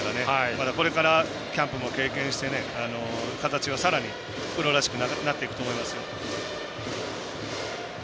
まだこれからキャンプも経験して形がさらにプロらしくなっていくと思います。